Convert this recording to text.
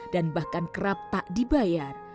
dan bahkan kerap tak dibayar